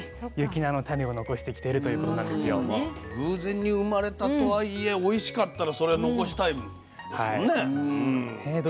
偶然に生まれたとはいえおいしかったらそりゃ残したいですもんね。